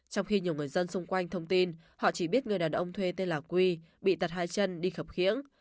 trong khi nhiều người dân xung quanh thông tin họ chỉ biết người đàn ông thuê tên là quy bị tật hai chân đi khập khiễng